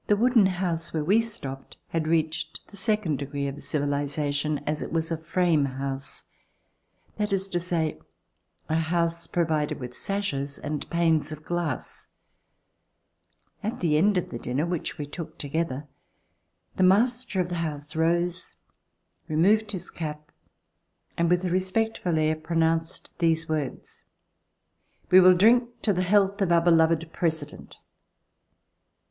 The wooden house where we stopped had reached the second degree of civilization, as it was a frame house, that is to say, a house provided with sashes and panes of glass. At the end of the dinner which we took together, the master of the house rose, removed his cap, and, with a respectful air, pronounced these words: "We will drink the health of our beloved President."